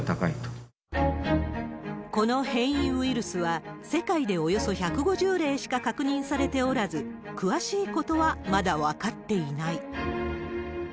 この変異ウイルスは、世界でおよそ１５０例しか確認されておらず、詳しいことはまだ分かっていない。